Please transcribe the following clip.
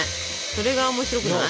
それが面白くない？